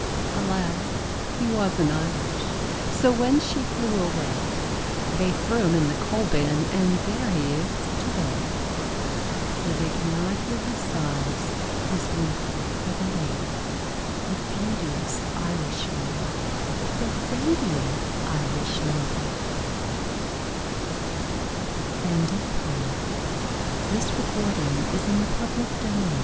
Alas, he wasn't Irish. So when she flew away, They threw him in the coal bin And there he is to day, Where they cannot hear his sighs His weeping for the lady, The beauteous Irish lady, The radiant Irish lady Who gives potatoes eyes." How a Little Girl Sang Ah, she was